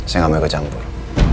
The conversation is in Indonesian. saya nggak mau ikut campur